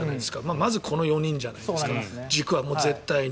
まずこの４人じゃないですか軸は、絶対に。